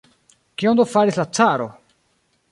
Kion do faris la caro?